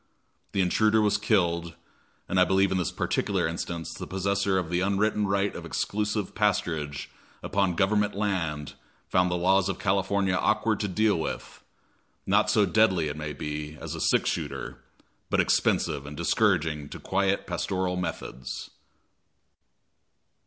The intruder was killed, and I believe in this particular instance the possessor of the unwritten right of exclusive pasturage upon Government land found the laws of California awkward to deal with; not so deadly, it may be, as a six shooter, but expensive and discouraging to quiet pastoral methods.